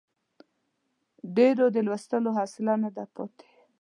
ډېریو د لوستلو حوصله نه ده پاتې.